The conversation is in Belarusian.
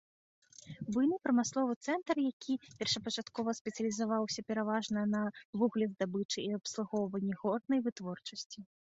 Буйны прамысловы цэнтр, які першапачаткова спецыялізаваўся пераважна на вуглездабычы і абслугоўванні горнай вытворчасці.